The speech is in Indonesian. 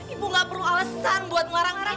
ibu gak perlu alasan buat marah marah